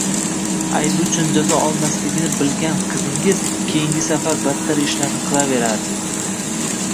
Aybi uchun jazo olmasligini bilgan qizingiz keyingi safar badtar ishlarni qilaverardi